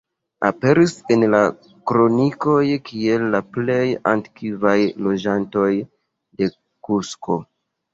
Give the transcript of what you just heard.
Aperis en la kronikoj kiel la plej antikvaj loĝantoj de Kusko.